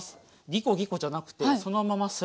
ギコギコじゃなくてそのままスライドです。